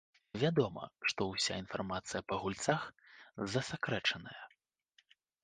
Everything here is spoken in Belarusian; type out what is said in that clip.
Вядома, што ўся інфармацыя па гульцах засакрэчаная.